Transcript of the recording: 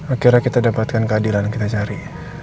akhirnya kita dapatkan keadilan kita cari